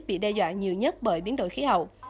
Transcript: bị đe dọa nhiều nhất bởi biến đổi khí hậu